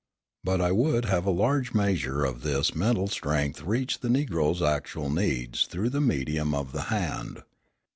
But I would have a large measure of this mental strength reach the Negroes' actual needs through the medium of the hand.